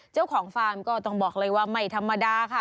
เจ้าของควายฟาร์มก็ต้องบอกเลยว่าไม่ธรรมดาค่ะ